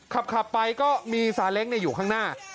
ขับไปก็มีสายเล็กเนี่ยอยู่ข้างหน้า